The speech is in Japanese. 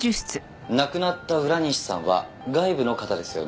亡くなった浦西さんは外部の方ですよね？